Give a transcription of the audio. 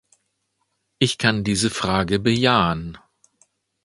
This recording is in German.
Ich kann diese Frage bejahen.